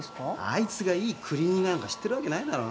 あいつがいいクリーニング屋なんか知ってるわけないだろ？